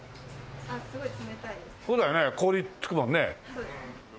そうですね。